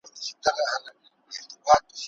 انسان له طبیعت سره تړاو لري.